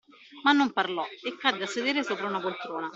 Ma non parlò e cadde a sedere sopra una poltrona.